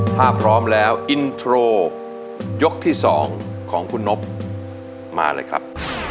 ถ้าพร้อมแล้วอินโทรยกที่๒ของคุณนบมาเลยครับ